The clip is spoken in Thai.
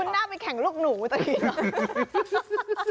คุณน่าไปแข่งลูกหนูเมื่อกี้หรอ